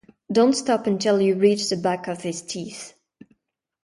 Don't stop until you reach the back of his teeth.